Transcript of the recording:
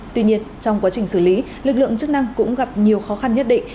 tuy nhiên trong quá trình xử lý lực lượng chức năng cũng gặp nhiều khó khăn nhất định